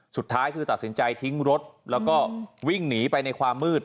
สุดท้ายคือตัดสินใจทิ้งรถแล้วก็วิ่งหนีไปในความมืด